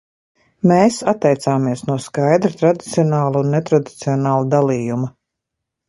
Mēs atteicāmies no skaidra, tradicionāla un netradicionāla dalījuma.